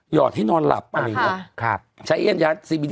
อดให้นอนหลับอะไรอย่างนี้